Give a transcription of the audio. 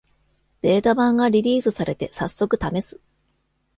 ベータ版がリリースされて、さっそくためす